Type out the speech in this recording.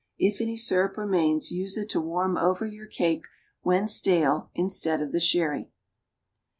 If any syrup remains, use it to warm over your cake when stale, instead of the sherry.